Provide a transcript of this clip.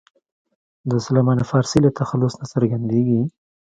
د سلمان فارسي له تخلص نه څرګندېږي.